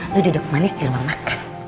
lo duduk manis di rumah makan